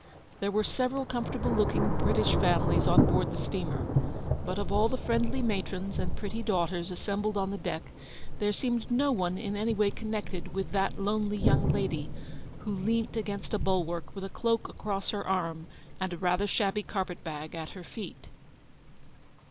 There were several comfortable looking British families on board the steamer, but of all the friendly matrons and pretty daughters as sembled on the deck, there seemed no one in any way connected with that lonely young lady who leant against the bulwark with a cloak across her arm and a rather shabby carpet bag at her feet.